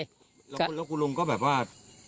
แล้วขังหลุงก็แบบว่า